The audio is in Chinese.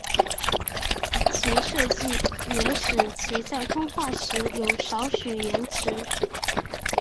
其设计也使其在通话时有少许延迟。